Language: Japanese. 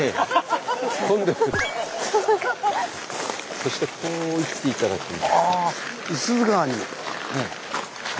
そしてこう行って頂きます。